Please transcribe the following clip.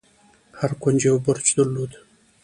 هر کونج يو برج درلود.